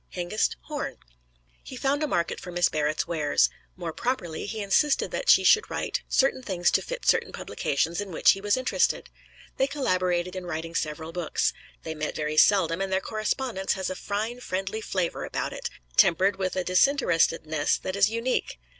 Hengist Horne. He found a market for Miss Barrett's wares. More properly, he insisted that she should write certain things to fit certain publications in which he was interested. They collaborated in writing several books. They met very seldom, and their correspondence has a fine friendly flavor about it, tempered with a disinterestedness that is unique.